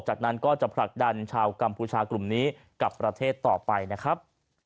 จากนั้นก็จะผลักดันชาวกัมพูชากลุ่มนี้กับประเทศต่อไปนะครับ